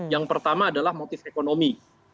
yang pertama adalah motif ekonomi